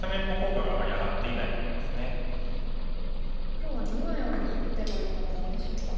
黒はどのように打てばよかったんでしょうか。